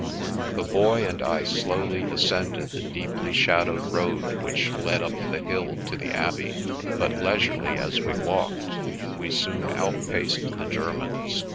The Boy and I slowly ascended the deeply shadowed road which led up the hill to the Abbey, but leisurely as we walked, we soon outpaced the Germans.